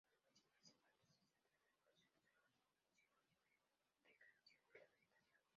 Los principales impactos se centran en procesos erosivos y de degradación de la vegetación.